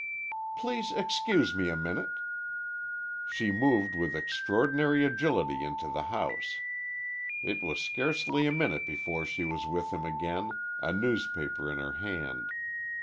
"Please excuse me a minute." She moved with extraordinary agility into the house. It was scarcely a minute before she was with him again, a newspaper in her hand.